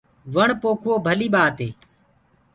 وڻ پوکوو ڀلي ٻآت هي۔